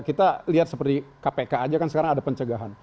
kita lihat seperti kpk aja kan sekarang ada pencegahan